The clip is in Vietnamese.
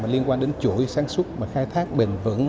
liên quan đến chuỗi sản xuất và khai thác bền vững